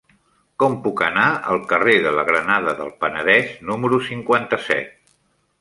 Com puc anar al carrer de la Granada del Penedès número cinquanta-set?